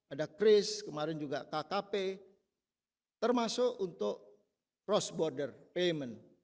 ada kris kemarin juga kkp termasuk untuk cross border payment